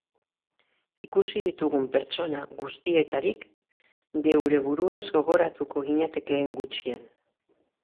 Ikusi ditugun pertsona guztietarik, geure buruez gogoratuko ginatekeen gutxien.